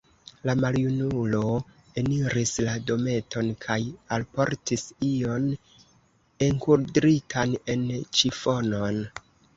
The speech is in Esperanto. La maljunulo eniris la dometon kaj alportis ion enkudritan en ĉifonon.